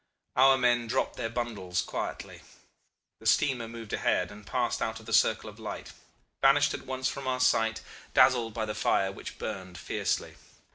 Our men dropped their bundles quietly. The steamer moved ahead, and passing out of the circle of light, vanished at once from our sight, dazzled by the fire which burned fiercely.